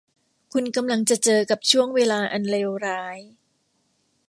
คุณกำลังจะเจอกับช่วงเวลาอันเลวร้าย